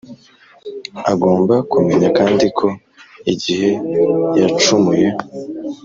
agomba kumenya kandi ko igihe yacumuye,